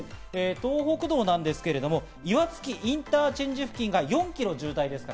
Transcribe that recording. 東北道なんですけれども、岩槻インターチェンジ付近が４キロ渋滞です。